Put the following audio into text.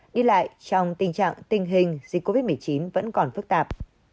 đi lại trong tình trạng tình hình dịch covid một mươi chín vẫn còn phức tạp